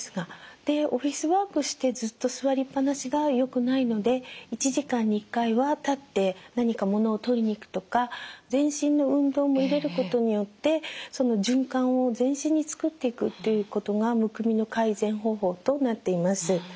でオフィスワークしてずっと座りっぱなしがよくないので１時間に１回は立って何か物を取りに行くとか全身の運動も入れることによって循環を全身に作っていくということがむくみの改善方法となっています。